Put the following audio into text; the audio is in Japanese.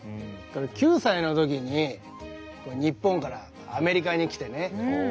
９歳の時に日本からアメリカに来てね。